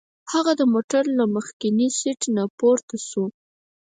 هغه د موټر له مخکیني سیټ نه پورته شو.